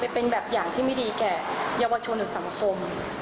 เป็นแบบอย่างที่ไม่ดีแก่เยาวชนศัมสม